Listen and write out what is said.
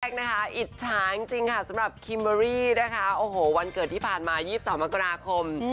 แปลกนะคะอิจฉาจริงสำหรับคิมเบอร์รี่วันเกิดที่ผ่านมา๒๒มกราคม